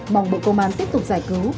mong bộ công an tiếp tục giải cứu